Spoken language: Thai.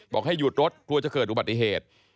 ให้หยุดรถกลัวจะเกิดอุบัติเหตุ